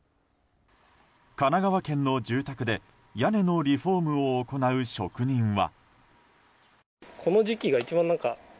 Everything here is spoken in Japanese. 神奈川県の住宅で屋根のリフォームを行う職人は。